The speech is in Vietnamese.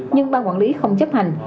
nhưng bang quản lý không chấp hành